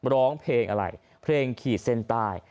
ร้องเพลงอะไรเพลงขีดเส้นใต้